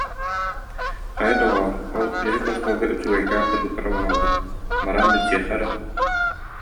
Хайа, доҕоор, ол бүтэһик остуолга үчүгэйкээн кыргыттар олороллор, баран билсиэххэ эрэ